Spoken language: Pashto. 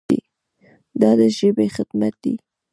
دا د ژبې خدمت دی.